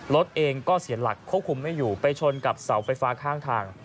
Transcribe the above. รถเองก็เสียหลักควบคุมไม่อยู่ไปชนกับเสาไฟฟ้าข้างทาง